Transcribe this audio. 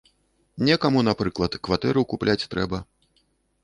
Некаму, напрыклад, кватэру купляць трэба.